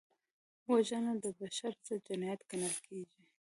وژنه د بشر ضد جنایت ګڼل کېږي